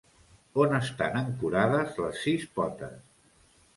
On estan ancorades les sis potes?